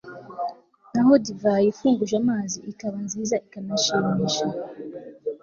naho divayi ifunguje amazi ikaba nziza ikanashimisha